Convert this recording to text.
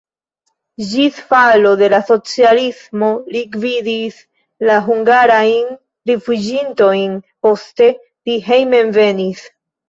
Ĝis falo de la socialismo li gvidis la hungarajn rifuĝintojn, poste li hejmenvenis.